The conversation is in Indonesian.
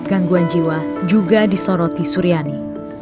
penghidup gangguan jiwa juga disoroti suriani